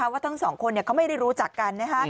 ว่าทั้งสองคนเขาไม่ได้รู้จักกัน